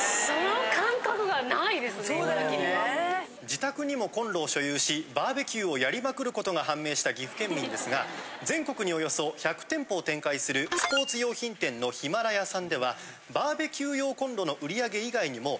自宅にもコンロを所有しバーベキューをやりまくることが判明した岐阜県民ですが全国におよそ１００店舗を展開するスポーツ用品店のヒマラヤさんではバーベキュー用コンロの売上以外にも。